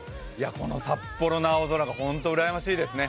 この札幌の青空が本当にうらやましいですね。